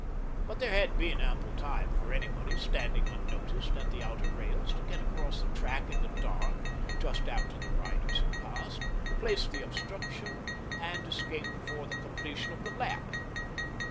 But there had been ample time for anybody, standing unnoticed at the outer rails, to get across the track in the dark, just after the riders had passed, place the obstruction, and escape before the com pletion of the lap.